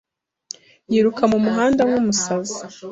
Yiruka mu muhanda nkumusazi